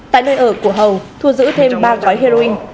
tại nơi ở của hầu thu giữ thêm ba gói heroin